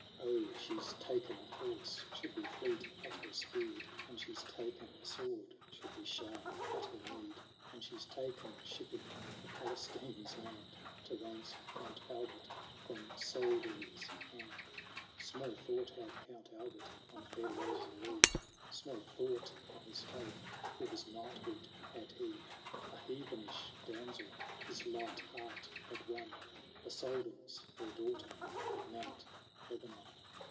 — 718 THE FIRE KING. 0 she's ta'eri a horse, should be fleet at her speed ; And she's ta'en a sword, should be sharp at her need ; And she has ta'en shipping for Palestine's land, To ransom Count Albert from Soldanrie's hand. Small thought had Count Albert on fair Rosalie, Small thought on his faith, or his knighthood, had he; A heathenish damsel his light heart had won, The Soldan's fair daughter of Mount Lebanon.